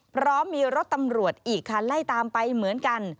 พร้อมมีรถตำรวจอีกคันไล่ตามไปเหมือนกัน